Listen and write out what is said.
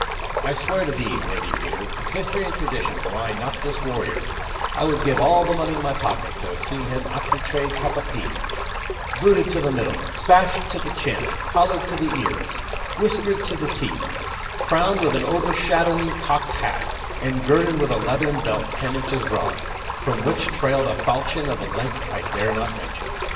I swear to thee, worthy reader, if history and tradition belie not this warrior, I would give all the money in my pocket to have seen him accoutred cap á pie booted to the middle, sashed to the chin, collared to the ears, whiskered to the teeth, crowned with an overshadowing cocked hat, and girded with a leathern belt ten inches broad, from which trailed a falchion, of a length that I dare not mention.